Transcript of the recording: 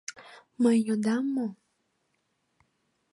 — Мый йодам мо?